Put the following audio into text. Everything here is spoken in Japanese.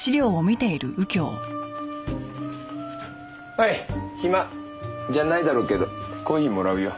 おい暇じゃないだろうけどコーヒーもらうよ。